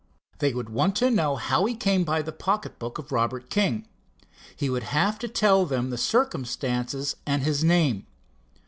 They would want to know how he came by the pocket book of Robert King. He would have to tell them the circumstances and his name.